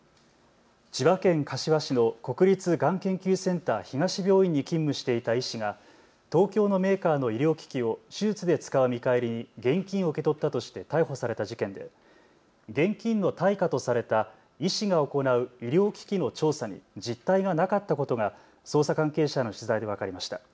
千葉県柏市の国立がん研究センター東病院に勤務していた医師が東京のメーカーの医療機器を手術で使う見返りに現金を受け取ったとして逮捕された事件で現金の対価とされた医師が行う医療機器の調査に実態がなかったことが捜査関係者への取材で分かりました。